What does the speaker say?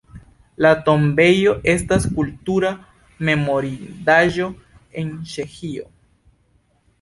La tombejo estas Kultura memorindaĵo en Ĉeĥio.